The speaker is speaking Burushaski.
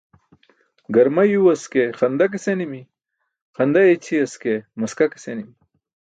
Garma yuywas ke xanda ke senimi, xanda i̇ćʰiyas ke maska ke senimi.